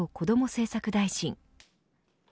政策大臣。